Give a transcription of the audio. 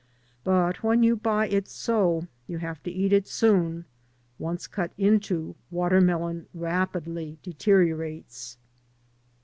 But when you buy it so, you have to eat it soon. Once cut into, watermelon rapidly deteriorates.